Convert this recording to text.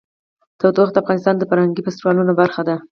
تودوخه د افغانستان د فرهنګي فستیوالونو برخه ده.